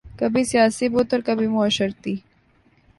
کبھی سیاسی بت اور کبھی معاشرتی